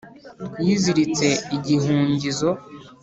twiziritse igihungizo,